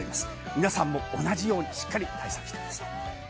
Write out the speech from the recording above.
皆さんも同じようにしっかり対策してください。